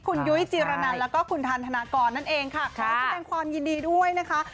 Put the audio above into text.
คุณยุ้ยจีรนันแล้วก็คุณทันธนากรนั่นเองค่ะขอแสดงความยินดีด้วยนะคะ